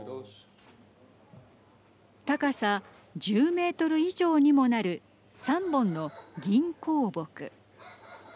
高さ１０ｍ以上にもなる３本の銀厚朴。